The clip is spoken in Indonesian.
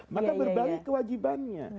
maka berbalik kewajibannya